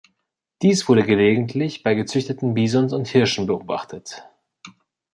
Dies wurde gelegentlich bei gezüchteten Bisons und Hirschen beobachtet.